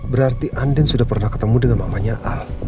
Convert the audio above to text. berarti andin sudah pernah ketemu dengan mamanya a